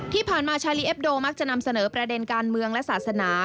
ชาลีเอ็บโดมักจะนำเสนอประเด็นการเมืองและศาสนา